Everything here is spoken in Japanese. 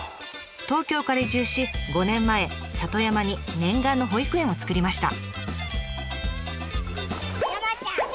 東京から移住し５年前里山に念願の保育園を作りました。